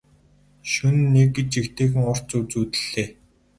Шөнө нь нэг жигтэйхэн урт зүүд зүүдэллээ.